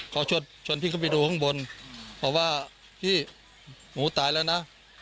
เขาชวนพี่เข้าไปดูข้างบนเพราะว่าพี่หมูตายแล้วนะ